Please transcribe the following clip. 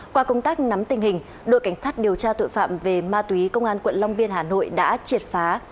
qua công tác nắm tình hình đội cảnh sát điều tra tội phạm về ma túy công an quận long biên hà nội đã triệt phá